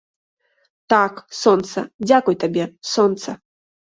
Так, сонца, дзякуй табе, сонца!